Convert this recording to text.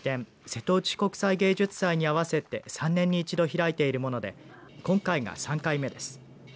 瀬戸内国際芸術祭に合わせて３年に一度開いているもので今回が３回目です。